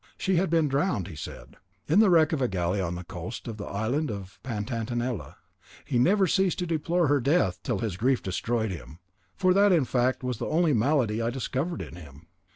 She had been drowned, he said, in the wreck of a galley on the coast of the island of Pantanalea; and he never ceased to deplore her death till his grief destroyed him, for that in fact was the only malady I discovered in him."